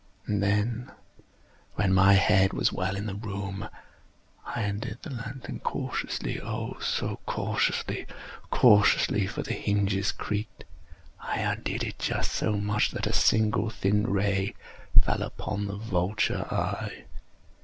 And then, when my head was well in the room, I undid the lantern cautiously—oh, so cautiously—cautiously (for the hinges creaked)—I undid it just so much that a single thin ray fell upon the vulture eye.